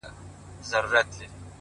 د شنو خالونو د ټومبلو کيسه ختمه نه ده _